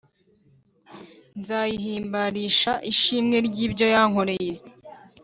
Nzayihimbarisha ishimwe ry ibyo yankoreye